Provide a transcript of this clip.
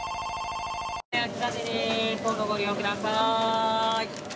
どうぞご利用ください